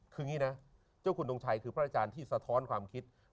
คืออย่างนี้นะเจ้าคุณทงชัยคือพระอาจารย์ที่สะท้อนความคิด